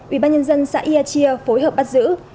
ủy ban nhân dân xã ia chi phối hợp bắt giữ